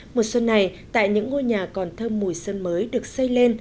mùa xuân này tại những ngôi nhà còn thơm mùi sơn mới được xây lên